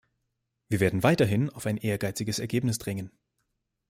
Wir werden weiterhin auf ein ehrgeiziges Ergebnis drängen.